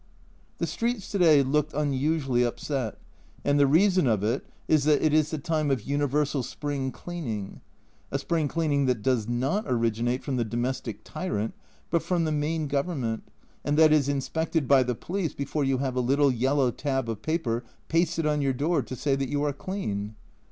The streets to day looked unusually upset, and the reason of it is that it is the time of universal spring cleaning, a spring cleaning that does not originate from the domestic tyrant, but from the main Govern ment, and that is inspected by the police before you have a little yellow tab of paper pasted on your door to say that you are clean.